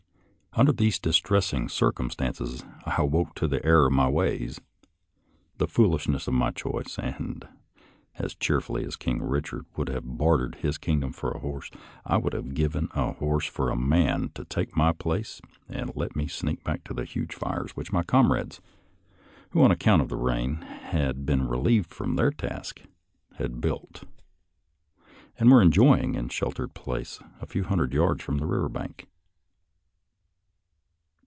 Under these distressing circumstances I awoke to the error of my ways, the foolishnesj^'of my choice, and as cheerfully as King Richard would have bartered his kingdom for a horse, I would have given a horse for a man to take my place and let me sneak back to the huge fires which my comrades — who, on account of the rain, had been relieved from their task— had built, and were enjoying in a sheltered place a hundred yards from the river bank.